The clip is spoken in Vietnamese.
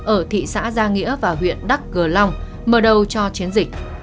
ở thị xã gia nghĩa và huyện đắk gờ long mở đầu cho chiến dịch